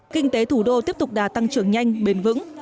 kinh tế thủ đô tiếp tục đà tăng trưởng nhanh bền vững